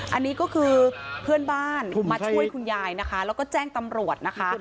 อันนี้ก็คือเพื่อนบ้านมาช่วยคุณยายนะคะแล้วก็แจ้งตำรวจนะคะ